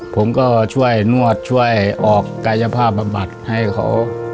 ผมก็ช่วยนวดช่วยออกกายภาพบำบัดให้เขา